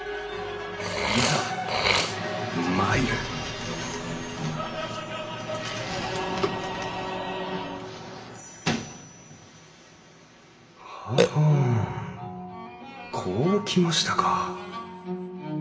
いざ参るははんこうきましたか。